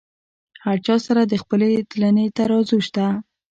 هر چا سره د خپلې تلنې ترازو شته.